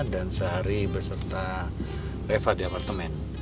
sehari berserta reva di apartemen